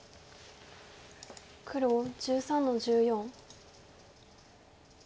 黒１３の十四。